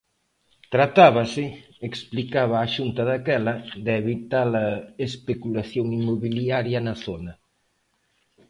Tratábase, explicaba a Xunta daquela, de evitar a especulación inmobiliaria na zona.